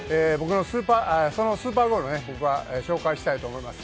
そのスーパーゴールを紹介したいと思います。